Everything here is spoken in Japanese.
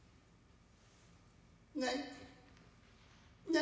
何。